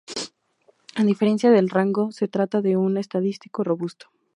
A diferencia del rango, se trata de un estadístico robusto.